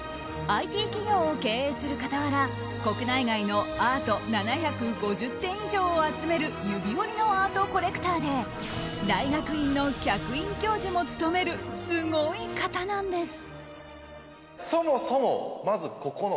ＩＴ企業を経営する傍ら国内外のアート７５０点以上を集める指折りのアートコレクターで大学院の客員教授も務めるすごい方なんです。